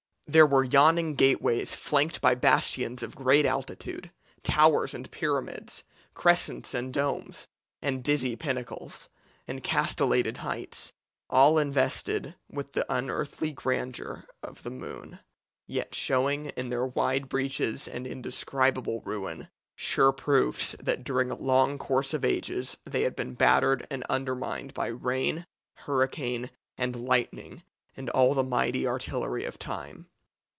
There were yawning gateways flanked by bastions of great altitude; towers and pyramids; crescents and domes; and dizzy pinnacles; and castellated heights; all invested with the unearthly grandeur of the moon, yet showing in their wide breaches and indescribable ruin sure proofs that during a long course of ages they had been battered and undermined by rain, hurricane, and lightning, and all the mighty artillery of time.